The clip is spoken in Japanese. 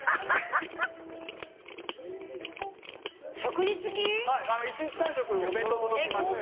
食事付き⁉１日３食お弁当届きまして。